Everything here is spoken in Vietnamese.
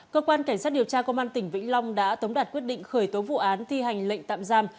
cơ quan cảnh sát điều tra công an tỉnh vĩnh long đã tống đạt quyết định khởi tố vụ án thi hành lệnh tạm giam